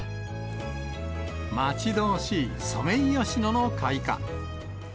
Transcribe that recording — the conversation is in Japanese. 待ち遠しいソメイヨシノの開花。